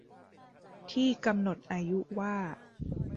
ที่กำหนดอายุว่า